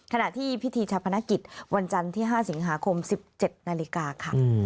ขณะที่พิธีชาพนักกิจวันจันทร์ที่๕สิงหาคม๑๗นาฬิกาค่ะ